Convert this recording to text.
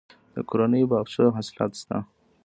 د کورنیو باغچو حاصلات شته